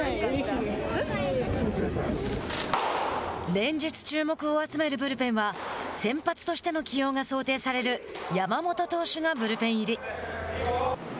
連日注目を集めるブルペンは先発としての起用が想定される山本投手がブルペン入り。